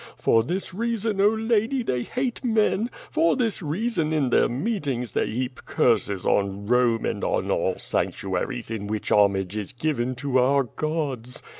For this reason, oh, lady, they hate men; for this reason in their meetings they heap curses on Rome and on all sanctuaries in which homage is given to our gods.